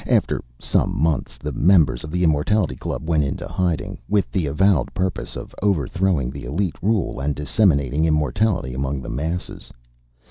After some months the members of the Immortality Club went into hiding, with the avowed purpose of overthrowing the Elite Rule and disseminating immortality among the masses.